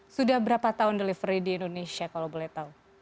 sudah berapa tahun delivery di indonesia kalau boleh tahu